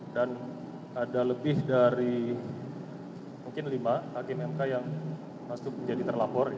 dan ada lebih dari mungkin lima hakim mk yang masuk menjadi terlapor